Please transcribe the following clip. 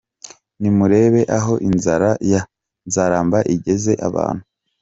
Nimurebe aho inzara ya “Nzaramba” igeze abantu!